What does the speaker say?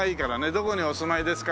「どこにお住まいですか？」